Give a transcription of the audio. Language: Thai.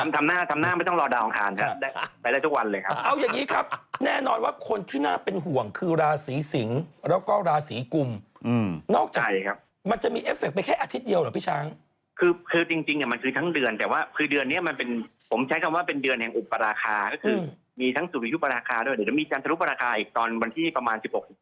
ทำหน้าไม่ต้องรอดาลของค่านค่ะไปได้ทุกวันเลยครับ